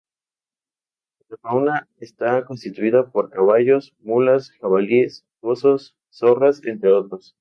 La fauna esta constituida por caballos, mulas, jabalíes, osos, zorras y entre otros.